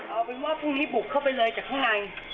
เอาเป็นว่าพรุ่งนี้บุกเข้าไปเลยจากข้างใน